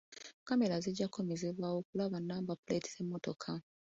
Kamera zijja kukozesebwa okulaba namba puleeti z'emmotoka.